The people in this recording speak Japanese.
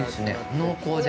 濃厚で。